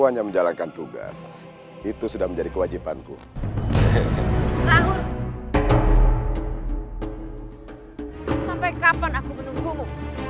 hanya menjalankan tugas itu sudah menjadi kewajipanku sampai kapan aku menunggumu